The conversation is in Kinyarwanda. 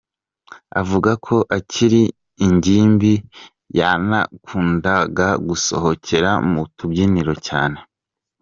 Avuga ko akiri ingimbi yanakundaga gusohokera mu tubyiniro cyane.